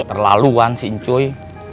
perlaluan sih encuy